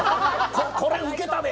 これウケたで！